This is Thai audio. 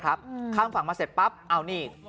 ข้ามฝั่งมาเสร็จปั๊บเอานี่